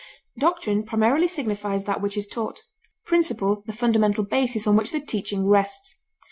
Doctrine primarily signifies that which is taught; principle, the fundamental basis on which the teaching rests.